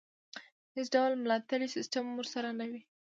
هېڅ ډول ملاتړی سیستم ورسره نه وي.